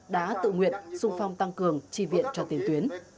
đã tự nguyện sung phong tăng cường tri viện cho tiền tuyến